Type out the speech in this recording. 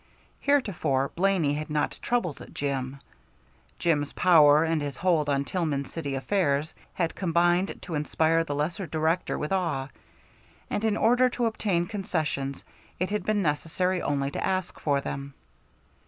Heretofore Blaney had not troubled Jim. Jim's power and his hold on Tillman City affairs had combined to inspire the lesser dictator with awe, and in order to obtain concessions it had been necessary only to ask for them.